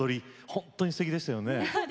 本当にすてきでしたよね。